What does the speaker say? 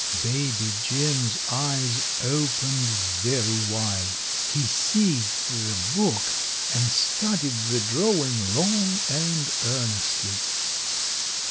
Baby Jim's eyes opened very wide. He seized the book and studied the drawing long and earnestly.